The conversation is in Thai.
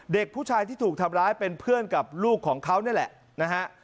เด็กผู้ชายที่ถูกทำร้ายเป็นเพื่อนกับลูกของเขานี่แหละนะฮะ